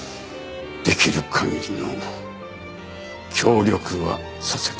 できる限りの協力はさせて頂く。